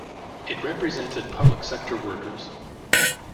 It represented public sector workers.